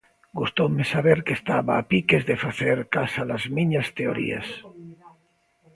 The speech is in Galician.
Gustoume saber que estaba a piques de facer casa-las miñas teorías.